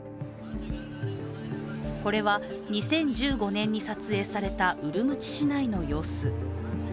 これは２０１５年に撮影されたウルムチ市内の様子。